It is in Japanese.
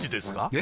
え？